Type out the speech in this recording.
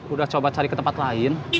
udah coba cari ke tempat lain